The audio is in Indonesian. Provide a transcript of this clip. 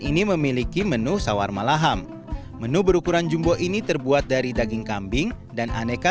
ini memiliki menu sawar malaham menu berukuran jumbo ini terbuat dari daging kambing dan aneka